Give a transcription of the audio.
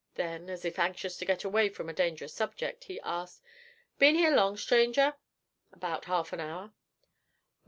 Then, as if anxious to get away from a dangerous subject, he asked, 'Been here long, stranger?' 'About half an hour.'